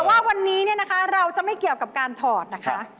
แต่ว่าวันนี้เนี่ยนะคะเราจะไม่เกี่ยวกับการถอดนะคะ